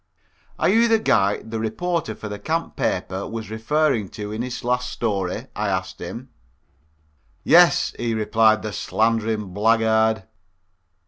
"Are you the guy the reporter for the camp paper was referring to in his last story?" I asked him. "Yes," he replied, "the slandering blackguard."